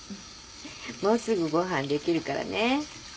もうすぐご飯できるからね。